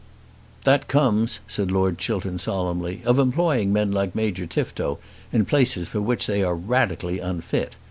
"That comes," said Lord Chiltern solemnly, "of employing men like Major Tifto in places for which they are radically unfit.